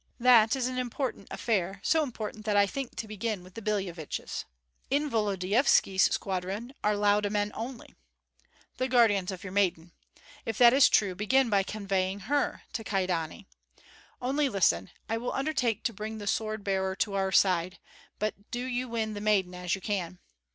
That is an important affair, so important that I think to begin with the Billeviches." "In Volodyovski's squadron are Lauda men only." "The guardians of your maiden. If that is true, begin by conveying her to Kyedani. Only listen: I will undertake to bring the sword bearer to our side, but do you win the maiden as you can.